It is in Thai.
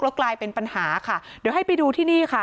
แล้วกลายเป็นปัญหาค่ะเดี๋ยวให้ไปดูที่นี่ค่ะ